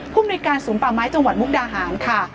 ภูมิในการศูนย์ป่าไม้จังหวัดมุกดาหารค่ะ